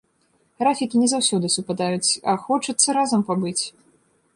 Графікі не заўсёды супадаюць, а хочацца разам пабыць.